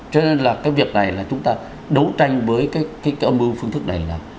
cho nên là cái việc này là chúng ta đấu tranh với cái âm mưu phương thức này là